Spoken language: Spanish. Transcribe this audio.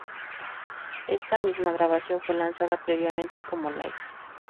Esta misma grabación fue lanzada previamente como Live!